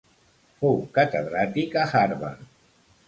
Fou catedràtic a Harvard.